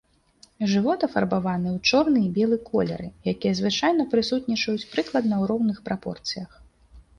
Жывот афарбаваны ў чорны і белы колеры, якія звычайна прысутнічаюць прыкладна ў роўных прапорцыях.